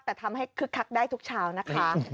แต่ทำให้คึกคักได้ทุกเช้านะคะ